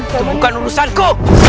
itu bukan urusanku